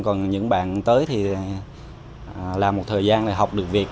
còn những bạn tới thì làm một thời gian để học được việc